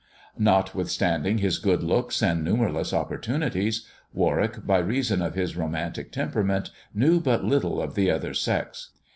Notwithstanding his good looks and numberless opportunities, Warwick, by reason of his romantic temperament, knew but little of the other sex.